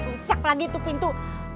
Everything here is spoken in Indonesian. susah lagi tuh pintu